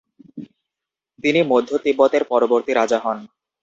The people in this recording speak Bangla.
তিনি মধ্য তিব্বতের পরবর্তী রাজা হন।